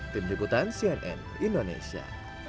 tim diputan cnn indonesia